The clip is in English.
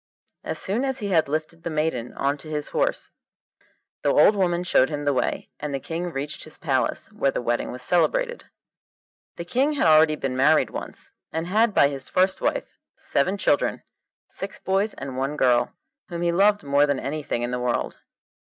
As soon as he had lifted the maiden on to his horse the old woman showed him the way, and the King reached his palace, where the wedding was celebrated. The King had already been married once, and had by his first wife seven children, six boys and one girl, whom he loved more than anything in the world.